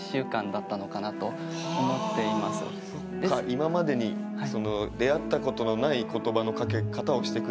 今までに出会ったことのない言葉のかけ方をしてくれたんだ？